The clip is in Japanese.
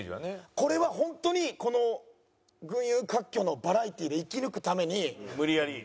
これはホントにこの群雄割拠のバラエティーで生き抜くために。